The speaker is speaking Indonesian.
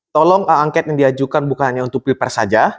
tolong angket yang diajukan bukan hanya untuk pilpres saja